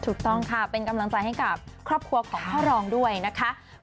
ถูกต้องค่ะเป็นกำลังใจให้กับครอบครัวของพ่อรองด้วยนะคะ